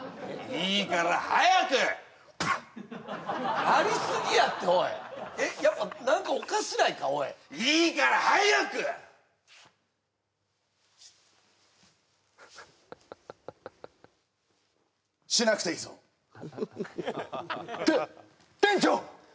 いいから早くペッやりすぎやっておいえっやっぱ何かおかしないかおいいいから早くしなくていいぞて店長